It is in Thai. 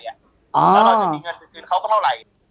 แล้วเราจะมีเงินไปคืนเขาก็เท่าไหร่